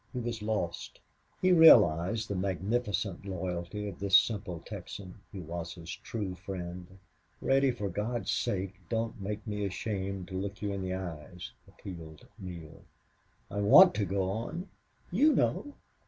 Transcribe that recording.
He was lost. He realized the magnificent loyalty of this simple Texan, who was his true friend. "Reddy, for God's sake don't make me ashamed to look you in the eyes," appealed Neale. "I want to go on. You know!"